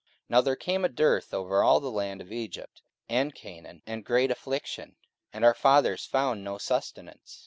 44:007:011 Now there came a dearth over all the land of Egypt and Chanaan, and great affliction: and our fathers found no sustenance.